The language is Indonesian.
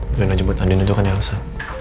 udah najem buat andi itu kan elsa